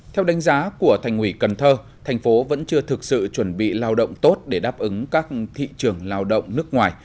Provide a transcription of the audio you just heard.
theo đánh giá của thành ủy cần thơ thành phố vẫn chưa thực sự chuẩn bị lao động tốt để đáp ứng các thị trường lao động nước ngoài